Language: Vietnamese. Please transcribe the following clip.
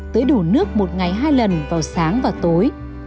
tưới đủ nước một ngày hai lần vào sáng và tối